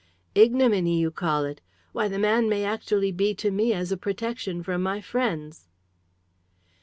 "Ignominy, you call it! Why, the man may actually be to me as a protection from my friends."